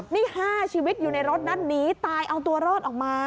นี่๕ชีวิตอยู่ในรถนั้นหนีตายเอาตัวรอดออกมา